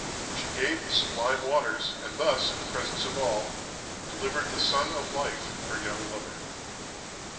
She gave the sublime Waters, and thus, in the presence of all, delivered the SON OF LIFE, her young lover."